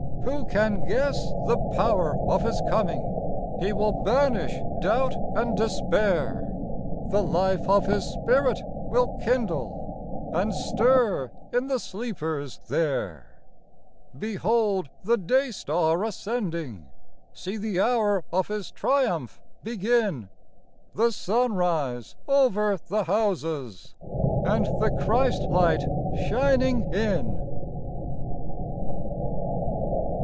Who can guess the power of His coming ? He will banish doubt and despair ; The life of His Spirit will kindle And stir in the sleepers there. Behold the Day Star ascending ! See the hour of His triumph begin !, The sunrise over the houses ! And the Christ light shining in